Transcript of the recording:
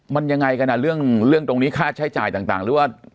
มันยังไงกันอ่ะเรื่องตรงนี้ค่าใช้จ่ายต่างหรือว่า